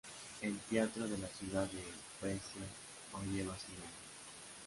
El Teatro de la ciudad de Pescia hoy lleva su nombre.